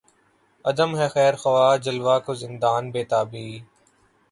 عدم ہے خیر خواہ جلوہ کو زندان بیتابی